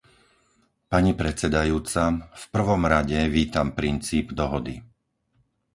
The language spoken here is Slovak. Pani predsedajúca, v prvom rade vítam princíp dohody.